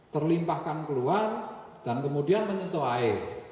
terlimpahkan keluar dan kemudian menyentuh air